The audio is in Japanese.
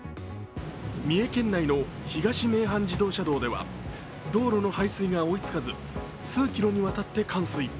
三重県内の東名阪自動車道では道路の排水が追いつかず数キロにわたって冠水。